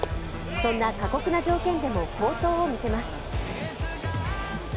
そんな過酷な条件でも好投を見せます。